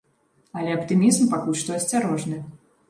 Але аптымізм пакуль што асцярожны.